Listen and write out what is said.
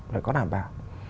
phải có đảm bảo